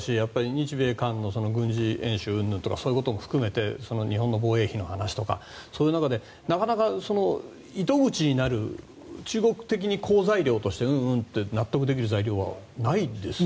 日米韓の軍事演習うんぬんとかも含めて日本の防衛費の話とかそういう中でなかなか糸口になる中国的に好材料としてうんうんと納得できる材料はないですよね。